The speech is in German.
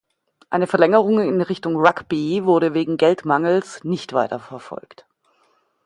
Eine Verlängerung in Richtung Rugby wurde wegen Geldmangels nicht weiter verfolgt.